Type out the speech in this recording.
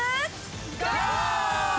ゴー！